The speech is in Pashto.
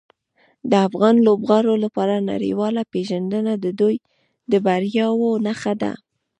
د افغان لوبغاړو لپاره نړیواله پیژندنه د دوی د بریاوو نښه ده.